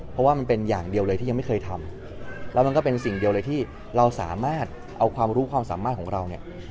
เพราะว่ามันเป็นอย่างเดียวเลยที่ยังไม่เคยทำแล้วมันก็เป็นสิ่งเดียวเลยที่เราสามารถเอาความรู้ความสามารถของเราเนี่ย